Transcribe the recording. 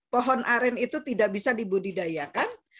pohon aren itu tidak bisa dibudidayakan